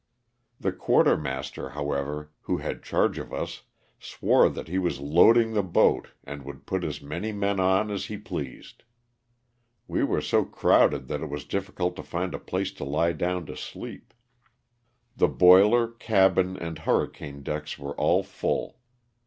The quartermaster, however, who had charge of us, swore that he was loading the boat and would put as many men on as he pleased. We were so crowded that it was difficult to find a place to lie down to sleep. The boiler, cabin and hurricane decks were all full.